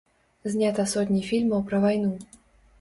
Знята сотні фільмаў пра вайну.